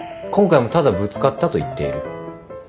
今回もただぶつかったと言っている。